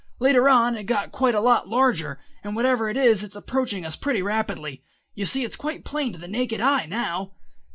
Later on it got quite a lot larger, and whatever it is it's approaching us pretty rapidly. You see it's quite plain to the naked eye now."